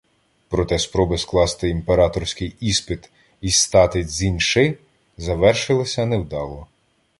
Проте спроби скласти імператорський іспит й стати цзіньши завершилися невдало.